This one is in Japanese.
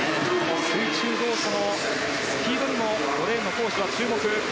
水中動作のスピードにも５レーンのコーシュ、注目。